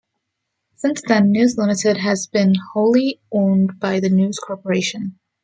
Since then, News Limited had been wholly owned by News Corporation.